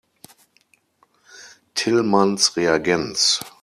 Tillmanns Reagenz